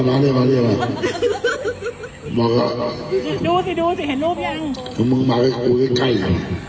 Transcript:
นั้นเธีย